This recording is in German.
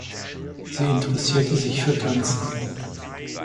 Sie interessierte sich für Tanzen.